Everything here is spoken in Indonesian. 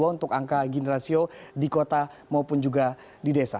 untuk angka gini rasio di kota maupun juga di desa